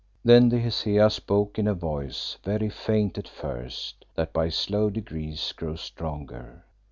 Then the Hesea spoke in a voice very faint at first, that by slow degrees grew stronger.